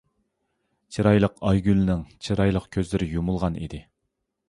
چىرايلىق ئايگۈلنىڭ چىرايلىق كۆزلىرى يۇمۇلغان ئىدى.